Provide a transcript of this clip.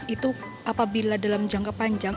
itu apabila dalam jangka panjang